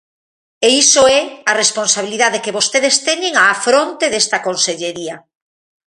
E iso é a responsabilidade que vostedes teñen á fronte desta consellería.